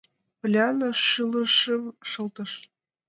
Поллианна шӱлышым шылтыш.